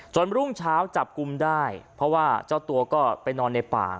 รุ่งเช้าจับกลุ่มได้เพราะว่าเจ้าตัวก็ไปนอนในป่า